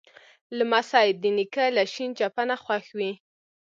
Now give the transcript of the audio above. لمسی د نیکه له شین چپنه خوښ وي.